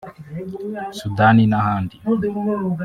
Sudani n’ahandi